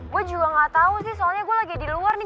gue juga gak tau sih soalnya gue lagi di luar nih